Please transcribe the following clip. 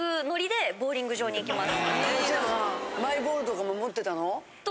えじゃあマイボールとかも持ってたの？